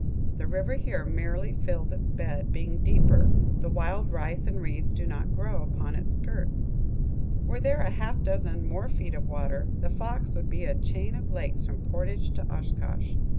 The river here merely fills its bed; being deeper, the wild rice and reeds do not grow upon its skirts. Were there a half dozen more feet of water, the Fox would be a chain of lakes from Portage to Oshkosh.